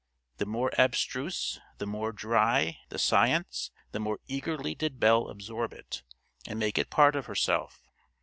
The more abstruse, the more dry, the science, the more eagerly did Belle absorb it, and make it part of herself.